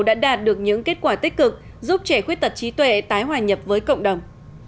đã đạt được những kết quả tích cực giúp trẻ khuyết tật trí tuệ tái hòa nhập với cộng đồng